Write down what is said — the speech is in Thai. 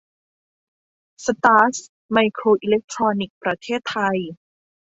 สตาร์ส ไมโครอิเล็กทรอนิกส์ ประเทศไทย